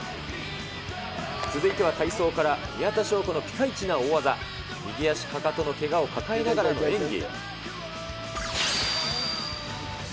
続いては体操から、宮田笙子のピカイチな大技、右足かかとのけがを抱えながらの演技。